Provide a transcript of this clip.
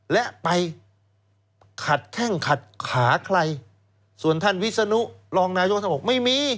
และไปขัดแข้งขัดขาใครส่วนท่านวิศนุรองนายกท่านบอกไม่มี